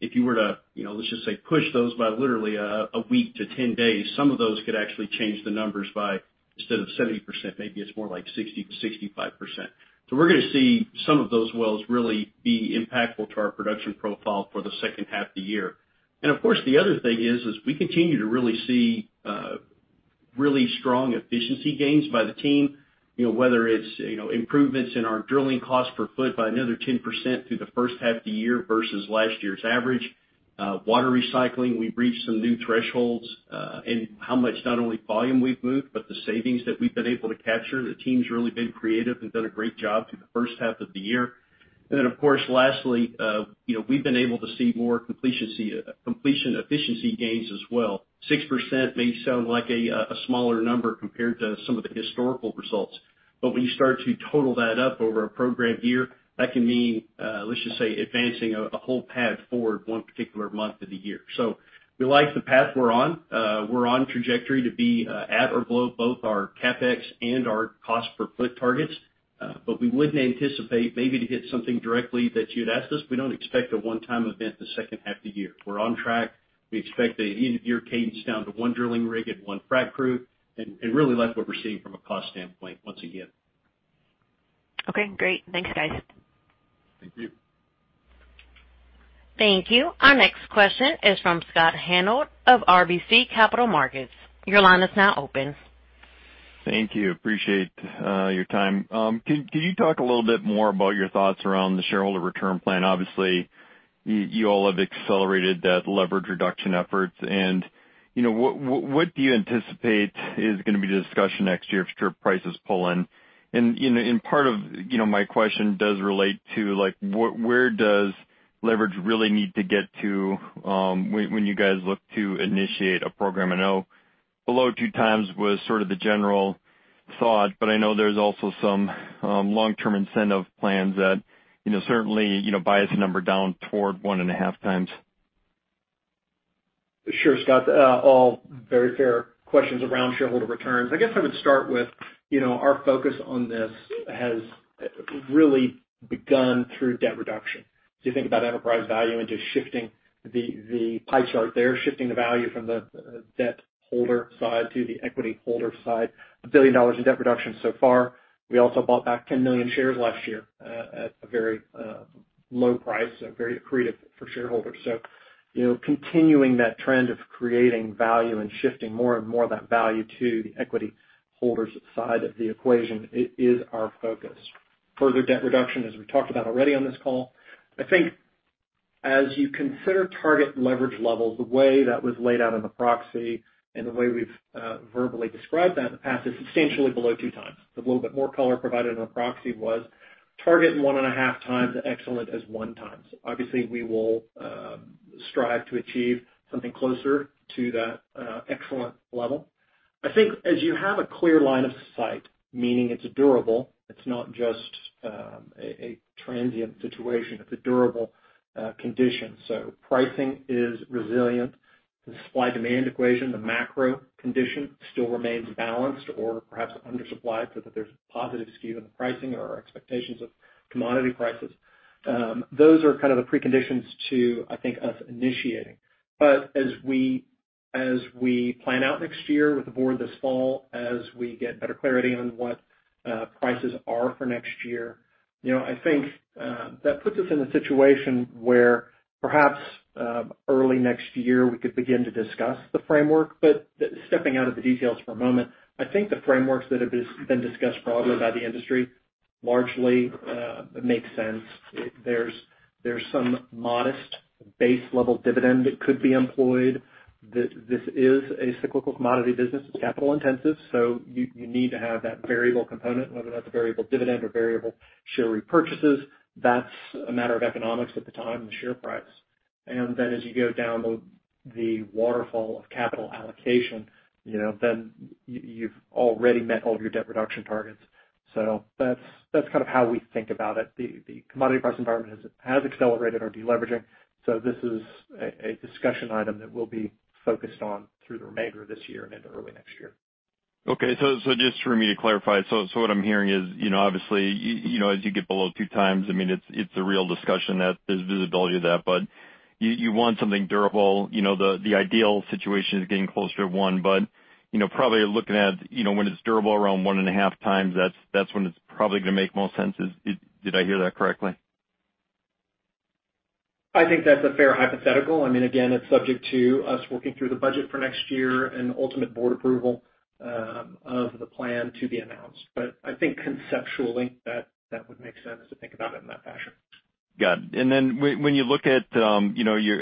If you were to, let's just say, push those by literally 1 week to 10 days, some of those could actually change the numbers by instead of 70%, maybe it's more like 60%-65%. We're going to see some of those wells really be impactful to our production profile for the second half of the year. Of course, the other thing is, we continue to really see really strong efficiency gains by the team. Whether it's improvements in our drilling cost per foot by another 10% through the first half of the year versus last year's average. Water recycling, we've reached some new thresholds, in how much not only volume we've moved, but the savings that we've been able to capture. The team's really been creative and done a great job through the first half of the year. Then of course, lastly, we've been able to see more completion efficiency gains as well. 6% may sound like a smaller number compared to some of the historical results, but when you start to total that up over a program year, that can mean, let's just say, advancing a whole pad forward one particular month of the year. We like the path we're on. We're on trajectory to be at or below both our CapEx and our cost per boe targets. We wouldn't anticipate maybe to hit something directly that you'd asked us. We don't expect a one-time event the second half of the year. We're on track. We expect a year cadence down to one drilling rig and one frac crew and really like what we're seeing from a cost standpoint once again. Okay, great. Thanks, guys. Thank you. Thank you. Our next question is from Scott Hanold of RBC Capital Markets. Your line is now open. Thank you. Appreciate your time. Can you talk a little bit more about your thoughts around the shareholder return plan? Obviously, you all have accelerated the leverage reduction efforts and what do you anticipate is going to be the discussion next year if strip prices pull in? Part of my question does relate to where does leverage really need to get to when you guys look to initiate a program? I know below two times was sort of the general thought. I know there's also some long-term incentive plans that certainly bias a number down toward one and a half times. Sure. Scott, all very fair questions around shareholder returns. I guess I would start with our focus on this has really begun through debt reduction. You think about enterprise value and just shifting the pie chart there, shifting the value from the debt holder side to the equity holder side. $1 billion in debt reduction so far. We also bought back 10 million shares last year at a very low price, so very accretive for shareholders. Continuing that trend of creating value and shifting more and more of that value to the equity holder's side of the equation, it is our focus. Further debt reduction, as we talked about already on this call. I think as you consider target leverage levels, the way that was laid out in the proxy and the way we've verbally described that in the past is substantially below two times. The little bit more color provided in our proxy was target 1.5 times, excellent as one times. Obviously, we will strive to achieve something closer to that excellent level. I think as you have a clear line of sight, meaning it's durable, it's not just a transient situation, it's a durable condition. Pricing is resilient. The supply-demand equation, the macro condition still remains balanced or perhaps undersupplied so that there's a positive skew in the pricing or our expectations of commodity prices. Those are kind of the preconditions to, I think, us initiating. As we plan out next year with the board this fall, as we get better clarity on what prices are for next year, I think that puts us in a situation where perhaps early next year, we could begin to discuss the framework. Stepping out of the details for a moment, I think the frameworks that have been discussed broadly by the industry largely make sense. There's some modest base-level dividend that could be employed. It's a cyclical commodity business. It's capital intensive, you need to have that variable component, whether that's a variable dividend or variable share repurchases. That's a matter of economics at the time and share price. As you go down the waterfall of capital allocation, then you've already met all of your debt reduction targets. That's how we think about it. The commodity price environment has accelerated our de-leveraging. This is a discussion item that we'll be focused on through the remainder of this year and into early next year. Just for me to clarify, so what I'm hearing is, obviously, as you get below two times, it's a real discussion that there's visibility to that, but you want something durable. The ideal situation is getting closer to one, but probably looking at when it's durable around 1.5 times, that's when it's probably going to make most sense. Did I hear that correctly? I think that's a fair hypothetical. Again, it's subject to us working through the budget for next year and ultimate board approval of the plan to be announced. I think conceptually, that would make sense to think about it in that fashion. Got it. When you look at, I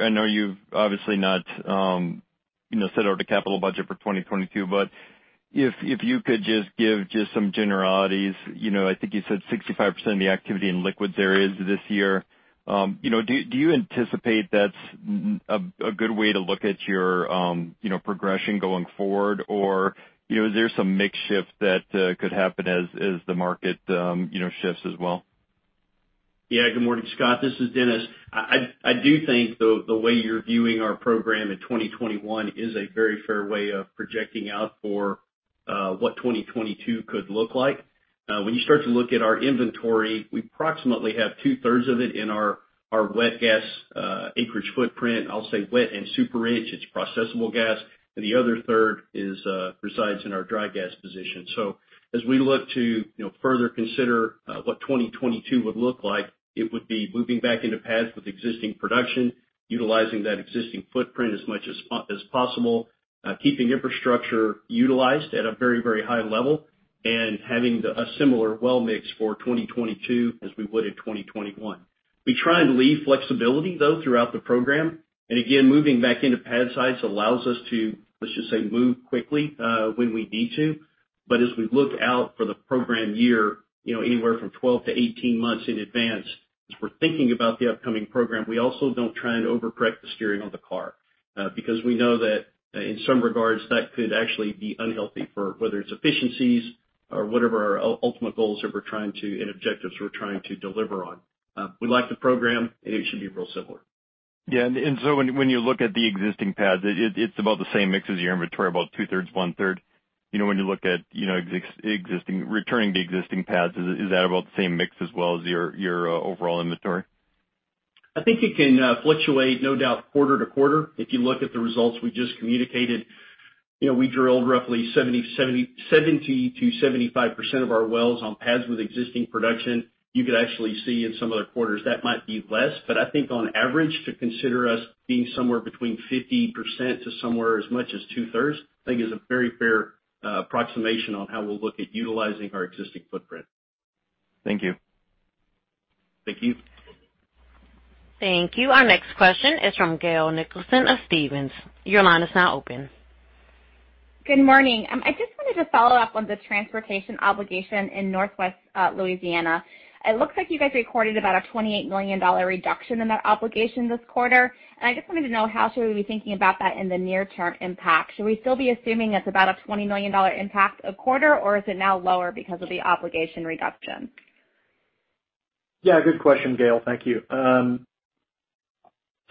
know you've obviously not set out a capital budget for 2022, if you could just give some generalities. I think you said 65% of the activity in liquids areas this year. Do you anticipate that's a good way to look at your progression going forward? Is there some mix shift that could happen as the market shifts as well? Yes. Good morning, Scott. This is Dennis. I do think the way you're viewing our program in 2021 is a very fair way of projecting out for what 2022 could look like. When you start to look at our inventory, we approximately have two-thirds of it in our wet gas acreage footprint. I'll say wet and super rich. It's processable gas. The other third resides in our dry gas position. As we look to further consider what 2022 would look like, it would be moving back into pads with existing production, utilizing that existing footprint as much as possible, keeping infrastructure utilized at a very, very high level, and having a similar well mix for 2022 as we would in 2021. We try and leave flexibility though throughout the program. Again, moving back into pad sites allows us to, let's just say, move quickly when we need to. As we look out for the program year, anywhere from 12-18 months in advance, as we're thinking about the upcoming program, we also don't try and overcorrect the steering of the car. We know that in some regards, that could actually be unhealthy for whether it's efficiencies or whatever our ultimate goals that we're trying to, and objectives we're trying to deliver on. We like the program, and it should be real similar. Yes. When you look at the existing pads, it's about the same mix as your inventory, about two-thirds, one-third. When you look at returning to existing pads, is that about the same mix as well as your overall inventory? I think it can fluctuate, no doubt, quarter to quarter. If you look at the results we just communicated, we drilled roughly 70%-75% of our wells on pads with existing production. You could actually see in some other quarters that might be less. I think on average, to consider us being somewhere between 50% to somewhere as much as two-thirds, I think is a very fair approximation on how we'll look at utilizing our existing footprint. Thank you. Thank you. Thank you. Our next question is from Gail Nicholson of Stephens. Your line is now open. Good morning. I just wanted to follow up on the transportation obligation in Northwest Louisiana. It looks like you guys recorded about a $28 million reduction in that obligation this quarter. I just wanted to know how should we be thinking about that in the near-term impact. Should we still be assuming it's about a $20 million impact a quarter, or is it now lower because of the obligation reduction? Yes, good question, Gail. Thank you.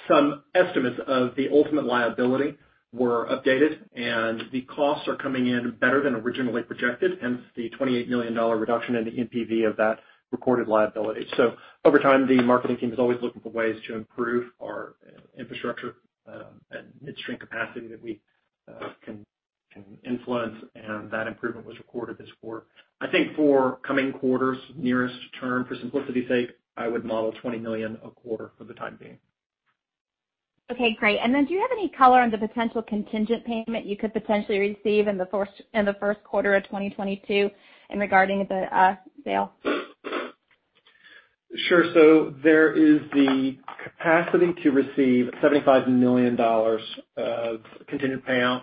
Some estimates of the ultimate liability were updated, and the costs are coming in better than originally projected, hence the $28 million reduction in the NPV of that recorded liability. Over time, the marketing team is always looking for ways to improve our infrastructure, and midstream capacity that we can influence, and that improvement was recorded this quarter. I think for coming quarters, nearest term, for simplicity's sake, I would model $20 million a quarter for the time being. Okay, great. Do you have any color on the potential contingent payment you could potentially receive in Q1 of 2022 regarding the sale? Sure. There is the capacity to receive $75 million of contingent payout.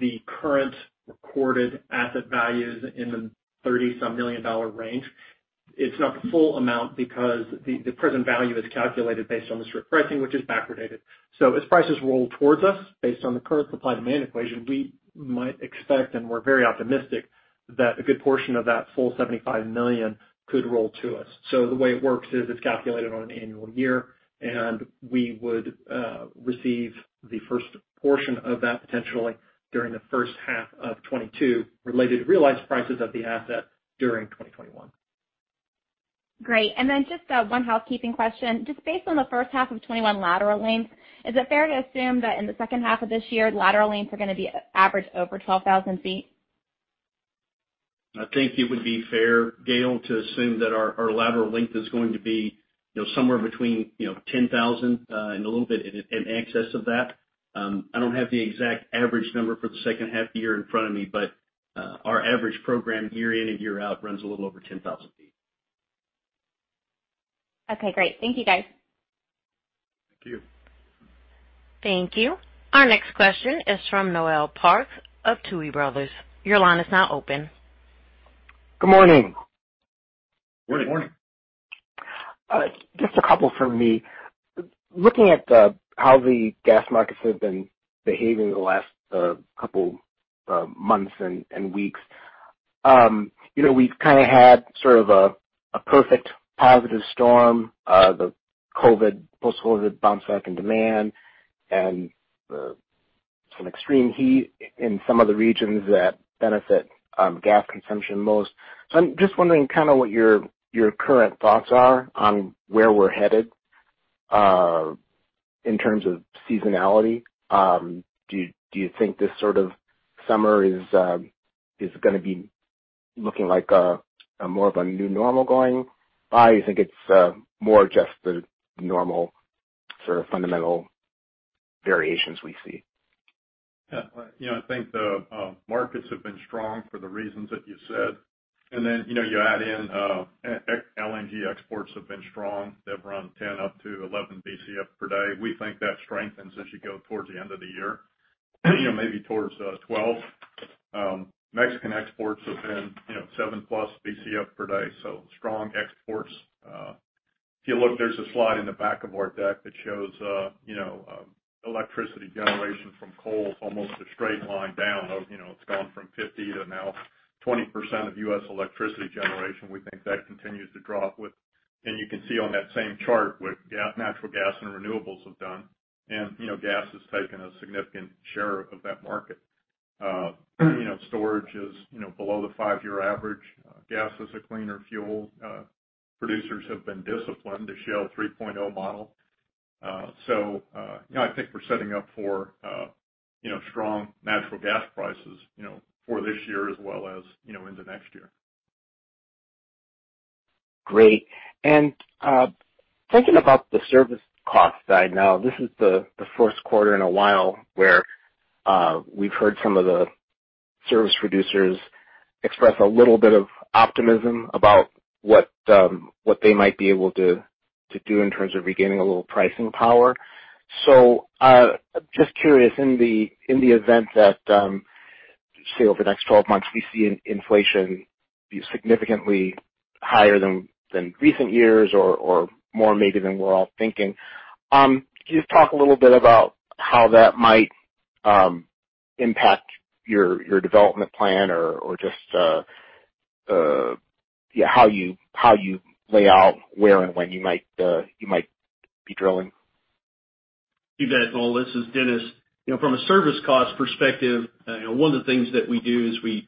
The current recorded asset value is in the $30-some million range. It's not the full amount because the present value is calculated based on the strip pricing, which is backwardated. As prices roll towards us, based on the current supply/demand equation, we might expect, and we're very optimistic that a good portion of that full $75 million could roll to us. The way it works is it's calculated on an annual year, and we would receive the first portion of that potentially during the first half of 2022 related to realized prices of the asset during 2021. Great. Just one housekeeping question. Just based on the first half of 2021 lateral lengths, is it fair to assume that in the second half of this year, lateral lengths are going to be average over 12,000 feet? I think it would be fair, Gail, to assume that our lateral length is going to be somewhere between 10,000 and a little bit in excess of that. I don't have the exact average number for the second half of the year in front of me, but our average program year in and year out runs a little over 10,000 feet. Okay, great. Thank you, guys. Thank you. Thank you. Our next question is from Noel Parks of Tuohy Brothers. Your line is now open. Good morning. Good morning. Morning. Just a couple from me. Looking at how the gas markets have been behaving the last couple months and weeks. We've kind of had sort of a perfect positive storm. The post-COVID bounce back in demand and some extreme heat in some of the regions that benefit gas consumption most. I'm just wondering kind of what your current thoughts are on where we're headed, in terms of seasonality. Do you think this sort of summer is going to be looking like more of a new normal going? Do you think it's more just the normal sort of fundamental variations we see? Yes. I think the markets have been strong for the reasons that you said. You add in LNG exports have been strong. They've run 10 up to 11 BCF per day. We think that strengthens as you go towards the end of the year, maybe towards 12. Mexican exports have been 7+ BCF per day, strong exports. If you look, there's a slide in the back of our deck that shows electricity generation from coal is almost a straight line down. It's gone from 50% to now 20% of U.S. electricity generation. We think that continues to drop. You can see on that same chart what natural gas and renewables have done. Gas has taken a significant share of that market. Storage is below the five-year average. Gas is a cleaner fuel. Producers have been disciplined, the Shale 3.0 model. I think we're setting up for strong natural gas prices for this year as well as into next year. Great. Thinking about the service cost side now, this is Q1 in a while where we've heard some of the service producers express a little bit of optimism about what they might be able to do in terms of regaining a little pricing power. Just curious, in the event that, say, over the next 12 months, we see inflation be significantly higher than recent years or more maybe than we're all thinking, can you just talk a little bit about how that might impact your development plan or just how you lay out where and when you might be drilling? You bet, Noel. This is Dennis. From a service cost perspective, one of the things that we do is we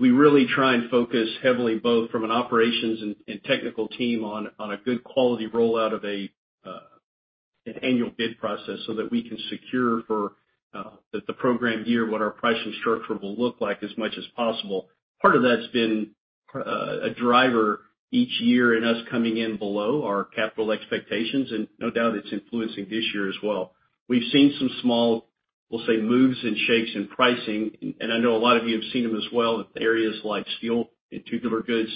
really try and focus heavily, both from an operations and technical team, on a good quality rollout of an annual bid process so that we can secure for the program year what our pricing structure will look like as much as possible. Part of that's been a driver each year in us coming in below our capital expectations. No doubt it's influencing this year as well. We've seen some small, we'll say, moves and shakes in pricing. I know a lot of you have seen them as well in areas like steel and tubular goods.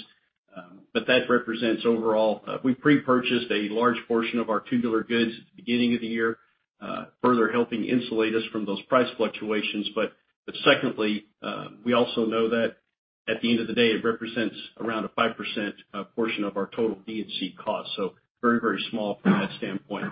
We prepurchased a large portion of our tubular goods at the beginning of the year, further helping insulate us from those price fluctuations. Secondly, we also know that at the end of the day, it represents around a 5% portion of our total D&C cost. Very, very small from that standpoint.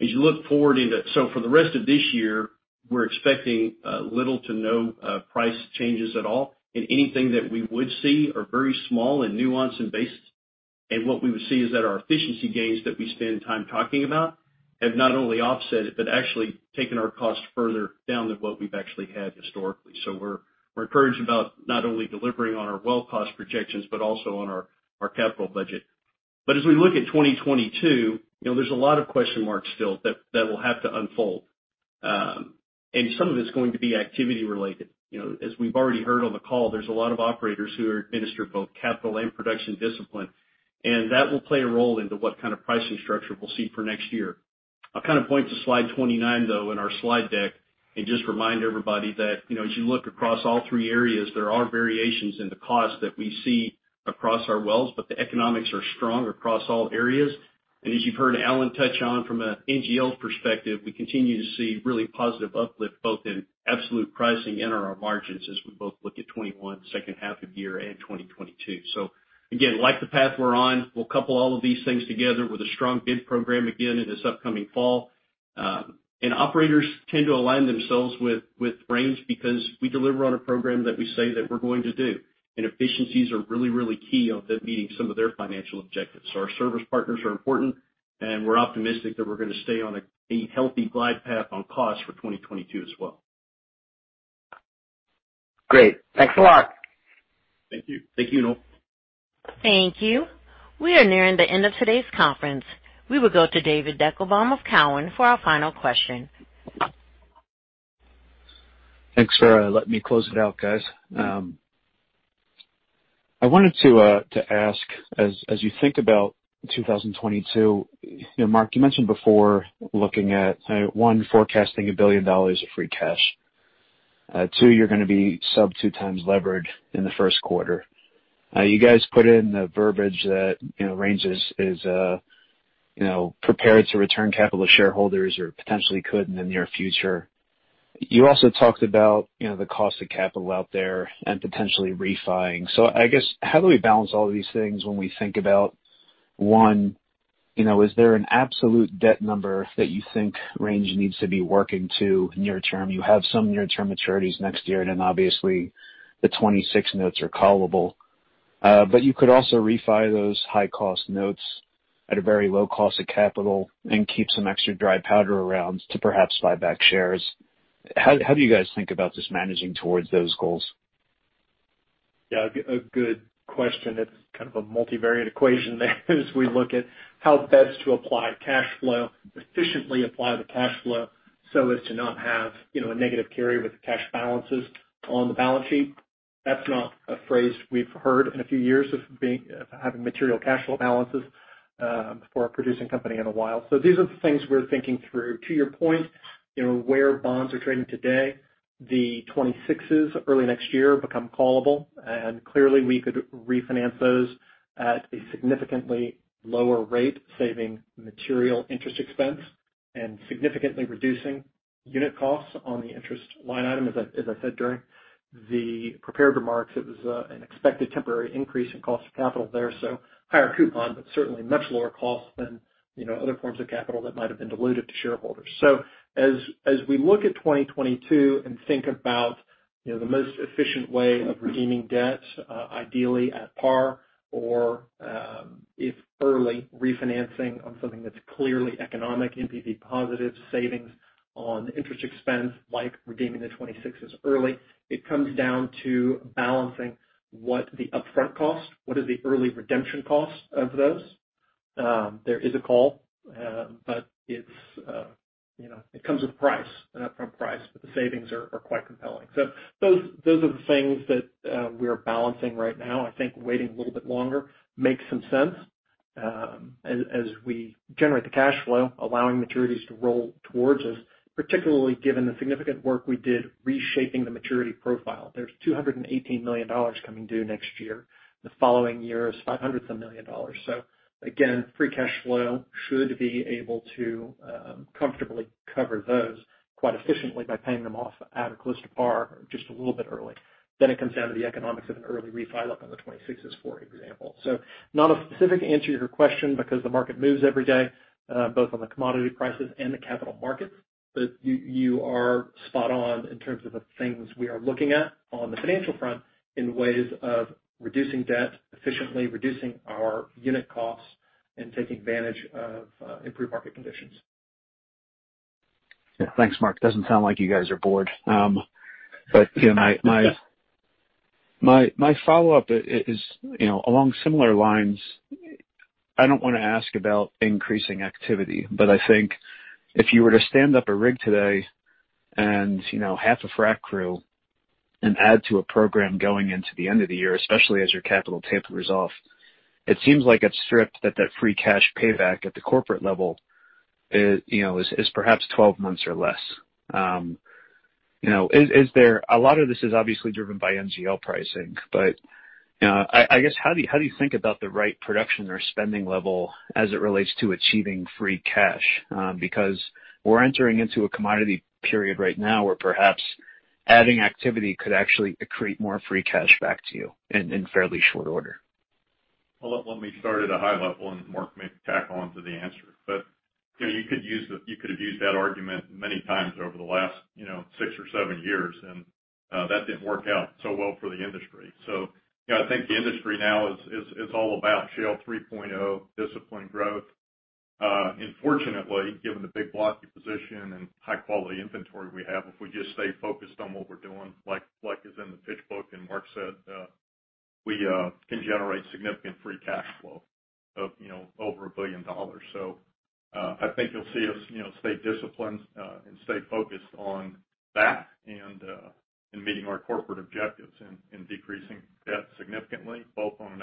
As you look forward into for the rest of this year, we're expecting little to no price changes at all, and anything that we would see are very small and nuanced and based. What we would see is that our efficiency gains that we spend time talking about have not only offset it, but actually taken our cost further down than what we've actually had historically. We're encouraged about not only delivering on our well cost projections, but also on our capital budget. As we look at 2022, there's a lot of question marks still that will have to unfold. Some of it's going to be activity related. As we've already heard on the call, there's a lot of operators who are administered both capital and production discipline, and that will play a role into what kind of pricing structure we'll see for next year. I'll point to Slide 29, though, in our slide deck and just remind everybody that as you look across all three areas, there are variations in the cost that we see across our wells, but the economics are strong across all areas. As you've heard Alan touch on from a NGL perspective, we continue to see really positive uplift, both in absolute pricing and our margins as we both look at 2021 second half of year and 2022. Again, like the path we're on, we'll couple all of these things together with a strong bid program again in this upcoming fall. Operators tend to align themselves with Range because we deliver on a program that we say that we're going to do. Efficiencies are really, really key on them meeting some of their financial objectives. Our service partners are important, and we're optimistic that we're going to stay on a healthy glide path on cost for 2022 as well. Great. Thanks a lot. Thank you. Thank you, Noel. Thank you. We are nearing the end of today's conference. We will go to David Deckelbaum of Cowen for our final question. Thanks for letting me close it out, guys. I wanted to ask, as you think about 2022, Mark, you mentioned before looking at, one, forecasting $1 billion of free cash. Two, you're going to be sub two times leverage in Q1. You guys put in the verbiage that Range is prepared to return capital to shareholders or potentially could in the near future. You also talked about the cost of capital out there and potentially refi-ing. I guess, how do we balance all of these things when we think about, one, is there an absolute debt number that you think Range needs to be working to near term? You have some near-term maturities next year, and then obviously the 2026 notes are callable. You could also refi those high-cost notes at a very low cost of capital and keep some extra dry powder around to perhaps buy back shares. How do you guys think about just managing towards those goals? A good question. It's kind of a multivariate equation there as we look at how best to apply cash flow, efficiently apply the cash flow so as to not have a negative carry with the cash balances on the balance sheet. That's not a phrase we've heard in a few years of having material cash flow balances for a producing company in a while. These are the things we're thinking through. To your point, where bonds are trading today, the 26s early next year become callable, and clearly we could refinance those at a significantly lower rate, saving material interest expense and significantly reducing unit costs on the interest line item. As I said during the prepared remarks, it was an expected temporary increase in cost of capital there, so higher coupon, but certainly much lower cost than other forms of capital that might have been diluted to shareholders. As we look at 2022 and think about the most efficient way of redeeming debt, ideally at par or, if early, refinancing on something that's clearly economic, NPV positive savings on interest expense, like redeeming the 26s early, it comes down to balancing what the upfront cost, what is the early redemption cost of those. There is a call, but it comes with a price, an upfront price, but the savings are quite compelling. Those are the things that we are balancing right now. I think waiting a little bit longer makes some sense. As we generate the cash flow, allowing maturities to roll towards us, particularly given the significant work we did reshaping the maturity profile. There's $218 million coming due next year. The following year is $500 million. Again, free cash flow should be able to comfortably cover those quite efficiently by paying them off at or close to par, just a little bit early. It comes down to the economics of an early refi up on the 26s, for example. Not a specific answer to your question because the market moves every day, both on the commodity prices and the capital markets. You are spot on in terms of the things we are looking at on the financial front in ways of reducing debt efficiently, reducing our unit costs, and taking advantage of improved market conditions. Thanks, Mark. Doesn't sound like you guys are bored. My follow-up is along similar lines. I don't want to ask about increasing activity, but I think if you were to stand up a rig today and half a frac crew and add to a program going into the end of the year, especially as your capital tapers off, it seems like it's stripped that that free cash payback at the corporate level is perhaps 12 months or less. A lot of this is obviously driven by NGL pricing. I guess, how do you think about the right production or spending level as it relates to achieving free cash? We're entering into a commodity period right now where perhaps adding activity could actually accrete more free cash back to you in fairly short order. You could've used that argument many times over the last six or seven years, and that didn't work out so well for the industry. I think the industry now is all about Shale 3.0 discipline growth. Fortunately, given the big blocky position and high-quality inventory we have, if we just stay focused on what we're doing, like is in the pitch book and Mark said, we can generate significant free cash flow of over $1 billion. I think you'll see us stay disciplined and stay focused on that and meeting our corporate objectives and decreasing debt significantly, both on an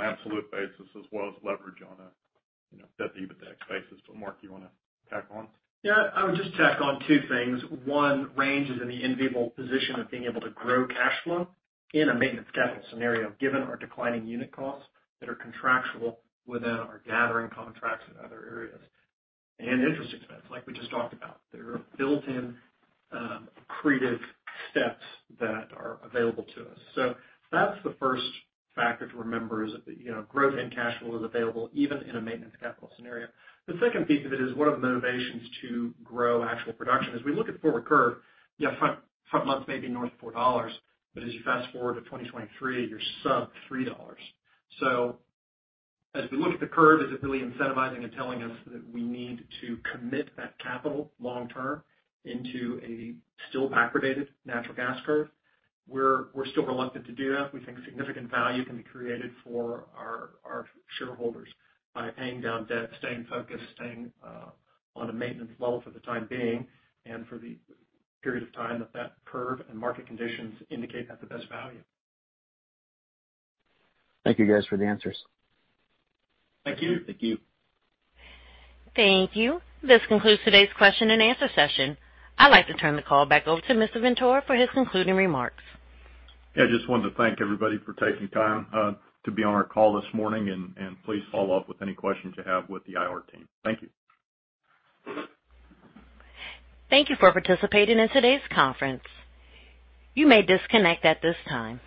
absolute basis as well as leverage on an EBITDAX basis. Mark, do you want to tack on? Yes, I would just tack on two things. One, Range is in the enviable position of being able to grow cash flow in a maintenance capital scenario, given our declining unit costs that are contractual within our gathering contracts in other areas. Interest expense, like we just talked about. There are built-in accretive steps that are available to us. That's the first factor to remember is that growth in cash flow is available even in a maintenance capital scenario. The second piece of it is what are the motivations to grow actual production? As we look at forward curve, front months may be north of $4, but as you fast-forward to 2023, you're sub $3. As we look at the curve, is it really incentivizing and telling us that we need to commit that capital long term into a still backwardated natural gas curve? We're still reluctant to do that. We think significant value can be created for our shareholders by paying down debt, staying focused, staying on a maintenance level for the time being and for the period of time that curve and market conditions indicate that's the best value. Thank you guys for the answers. Thank you. Thank you. Thank you. This concludes today's question and answer session. I'd like to turn the call back over to Mr. Ventura for his concluding remarks. Yes, just wanted to thank everybody for taking time to be on our call this morning, and please follow up with any questions you have with the IR team. Thank you. Thank you for participating in today's conference. You may disconnect at this time.